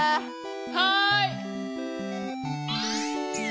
はい！